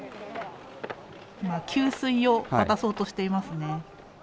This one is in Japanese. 給水を渡そうとしています。